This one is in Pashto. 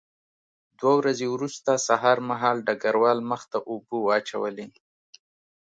دوه ورځې وروسته سهار مهال ډګروال مخ ته اوبه واچولې